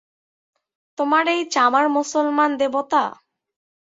তোমার এই চামার মুসলমান দেবতা?